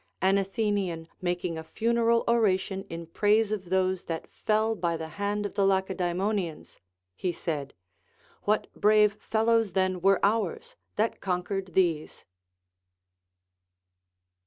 An Athenian making a funeral oration in praise of those that fell by the hand of the Lacedaemonians, he said. What brave fellows then were ours, that conquered these